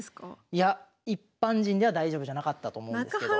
いや一般人では大丈夫じゃなかったと思うんですけど。